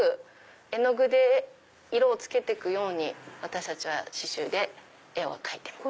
絵の具で色を付けてくように私たちは刺繍で絵を描いてます。